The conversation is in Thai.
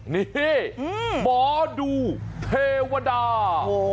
นี่หมอดูเทวดา